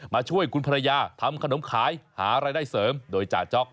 ช่วยคุณภรรยาทำขนมขายหารายได้เสริมโดยจ่าจ๊อก